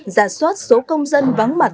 giả soát số công dân vắng mặt